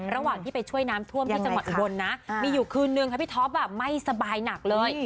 ระหว่างที่ไปช่วยน้ำท่วมที่จังหวัดอุบลนะมีอยู่คืนนึงค่ะพี่ท็อปไม่สบายหนักเลย